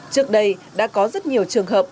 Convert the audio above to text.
trước đây đã có rất nhiều trường hợp